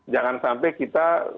jangan sampai kita